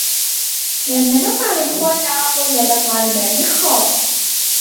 لِأَنَّ نَفْعَ الْإِخْوَانِ عَامٌّ وَنَفْعَ الْمَالِ خَاصٌّ